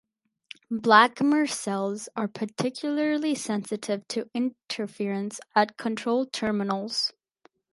Blackmer cells are particularly sensitive to interference at control terminals.